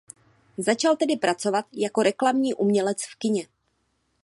Začal tedy pracovat jako reklamní umělec v kině.